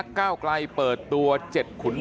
การสอบส่วนแล้วนะ